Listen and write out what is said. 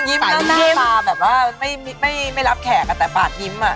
ลองยิ้มก็หน้าสาบีดีกว่าไม่รับแขกนะแต่ปากยิ้มอะ